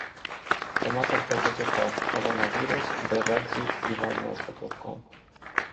Tematy w gazecie to: Koronawirus, Brexit i wojna z gotówką.